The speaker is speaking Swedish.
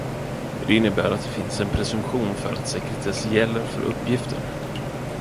Det innebär att det finns en presumtion för att sekretess gäller för uppgiften.